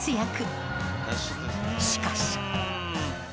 しかし。